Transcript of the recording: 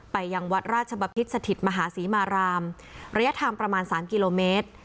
ไปยังวัดราชบพิษสถิตมหาศรีมารามระยะทางประมาณ๓กิโลเมตร